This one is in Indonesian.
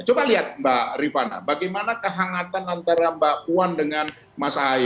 coba lihat mbak rifana bagaimana kehangatan antara mbak puan dengan mas ahaye